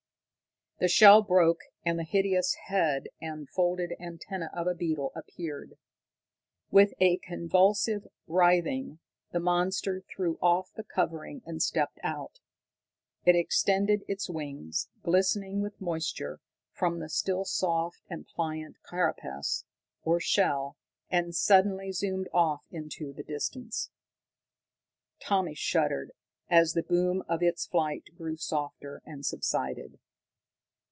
The shell broke, and the hideous head and folded antenna of a beetle appeared. With a convulsive writhing, the monster threw off the covering and stepped out. It extended its wings, glistening, with moisture, from the still soft and pliant carapace, or shell, and suddenly zoomed off into the distance. Tommy shuddered as the boom of its flight grew softer and subsided.